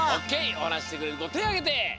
おはなししてくれるこてぇあげて！